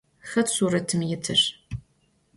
Xet suretım yitır?